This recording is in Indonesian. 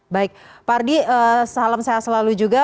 baik pak ardi salam sehat selalu juga